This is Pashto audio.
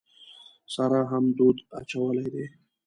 سارا هم دود اچولی دی.